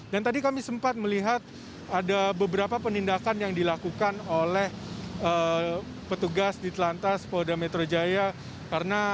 dan tadi kami sempat melihat ada beberapa penindakan yang dilakukan oleh petugas di telantas pohda metro jaya